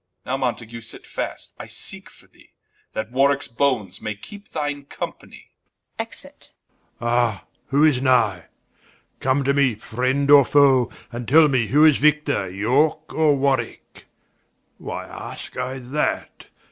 Now Mountague sit fast, I seeke for thee, That Warwickes Bones may keepe thine companie. Enter. Warw. Ah, who is nigh? come to me, friend, or foe, And tell me who is Victor, Yorke, or Warwicke? Why aske I that?